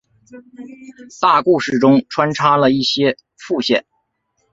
大故事中穿插了一些副线。